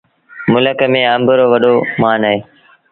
ملڪ ميݩ آݩب رو وڏو مآݩ اهي۔